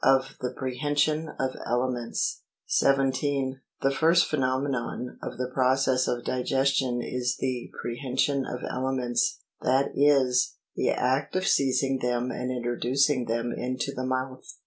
OF THE PREHENSION OF ALIMENTS. 17. The first phenomenon of the process of digestion is the prehension of aliments, that is, the act of seizing them and intro ducing them into the mouth.